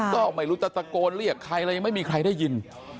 ก็ไม่รู้ตะตะโกนเรียกใครเห็นใครหรือไม่มีใครได้ยิน